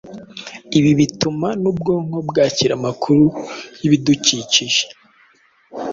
ibi bituma n’ubwonko bwakira amakuru y’ibidukikije